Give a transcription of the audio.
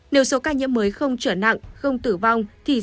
nếu số ca nhiễm mới không trở nặng không tử vong thì